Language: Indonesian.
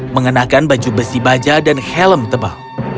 mengenakan baju besi baja dan helm tebal